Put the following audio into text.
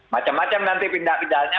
macem macem nanti tindak pidana